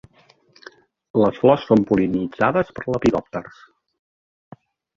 Les flors són pol·linitzades per lepidòpters.